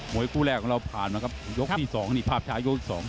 มวยกุแรกของเราผ่านมาครับยกที่สองภาพชายกุที่สอง